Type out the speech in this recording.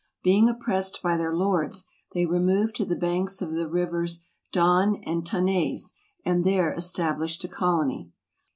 Being oppressed by their lords, they removed to the banks of the rivers Don and Ta nais, and there established a colony.